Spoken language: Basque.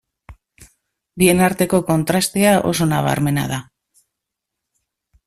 Bien arteko kontrastea oso nabarmena da.